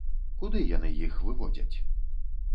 Куды яны іх выводзяць?